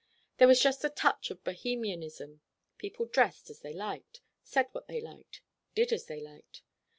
There was just a touch of Bohemianism. People dressed as they liked, said what they liked, did as they liked.